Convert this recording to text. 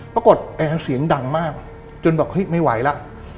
ปรากฏแอร์เสียงดังมากจนแบบเฮ้ยไม่ไหวแล้ว